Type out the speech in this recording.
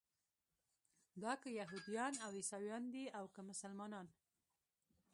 دا که یهودیان او عیسویان دي او که مسلمانان.